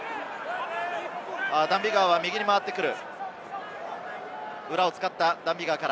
ダン・ビガーは右に曲がってくる。